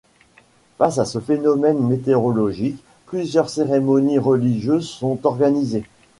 Face à ce phénomène météorologique, plusieurs cérémonies religieuses sont organisées.